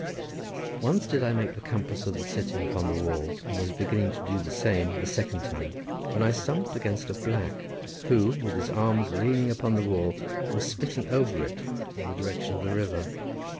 Once did I make the compass of the city upon the walls, and was beginning to do the same a second time, when I stumbled against a black, who, with his arms leaning upon the wall, was spitting over it, in the direction of the river.